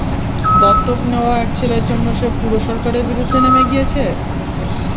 দত্তক নেওয়া এক ছেলের জন্য সে পুরো সরকারের বিরুদ্ধে নেমে গিয়েছে?